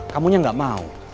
kamunya gak mau